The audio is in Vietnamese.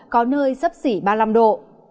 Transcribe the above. có nơi sấp xỉ ba mươi năm độ